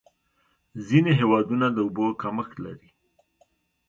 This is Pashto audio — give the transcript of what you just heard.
ځینې هېوادونه د اوبو کمښت لري.